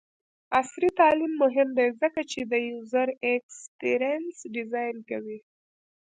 عصري تعلیم مهم دی ځکه چې د یوزر ایکسپیرینس ډیزاین کوي.